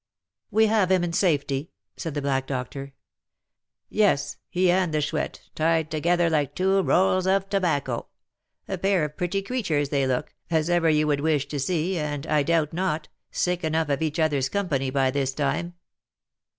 "We have him in safety," said the black doctor. "Yes, he and the Chouette, tied together like two rolls of tobacco. A pair of pretty creatures they look, as ever you would wish to see, and, I doubt not, sick enough of each other's company by this time."